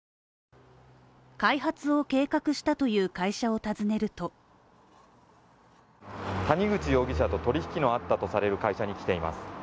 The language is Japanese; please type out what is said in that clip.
開発を計画したという会社を訪ねると谷口容疑者と取引のあったとされる会社に来ています。